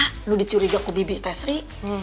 kalau dicurigaku bibitnya sri